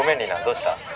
どうした？